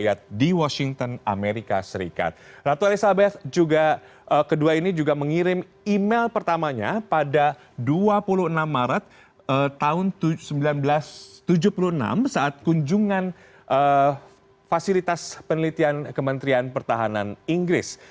yang kedua ratu elizabeth ii juga mengirim email pertamanya pada dua puluh enam maret seribu sembilan ratus tujuh puluh enam saat kunjungan fasilitas penelitian kementerian pertahanan inggris